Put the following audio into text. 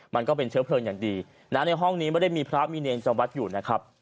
มันก็เป็นเชื้อเพลิงอย่างดีนะในห้องนี้ไม่ได้มีพระมีเนรจำวัดอยู่นะครับ